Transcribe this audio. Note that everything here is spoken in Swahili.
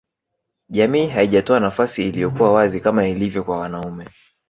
Jamii haijatoa nafasi iliyokuwa wazi kama ilivyo kwa wanaume